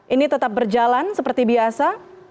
ini tetap berjalan seperti biasa